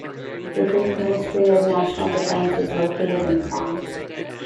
The Greek Ministry of National Defense is located in town.